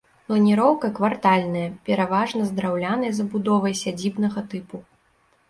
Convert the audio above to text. Планіроўка квартальная, пераважна з драўлянай забудовай сядзібнага тыпу.